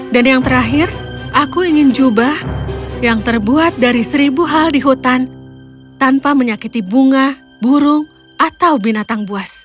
yang terakhir aku ingin jubah yang terbuat dari seribu hal di hutan tanpa menyakiti bunga burung atau binatang buas